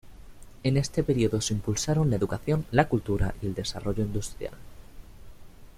En este periodo se impulsaron la educación, la cultura y el desarrollo industrial.